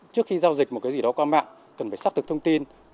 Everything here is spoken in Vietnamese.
trước khi giao dịch một cái gì đó qua mạng cần phải xác thực thông tin